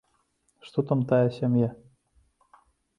Што там тая сям'я?